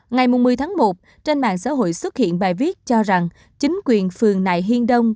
ngày một mươi tháng một trên mạng xã hội xuất hiện bài viết cho rằng chính quyền phường nại hiên đông